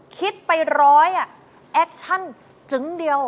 คิดไปร้อยแอคชั่นถึงเดียว